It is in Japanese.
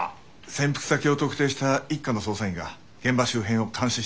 潜伏先を特定した一課の捜査員が現場周辺を監視しています。